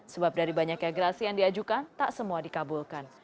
sebab dari banyaknya gerasi yang diajukan tak semua dikabulkan